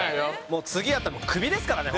次やったらクビですからね